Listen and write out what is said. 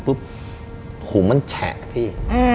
ปุ๊บถุงมันแฉะพี่